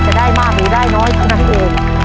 จะได้มากหรือได้น้อยเท่านั้นเอง